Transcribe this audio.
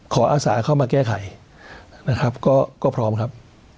อาสาเข้ามาแก้ไขนะครับก็พร้อมครับ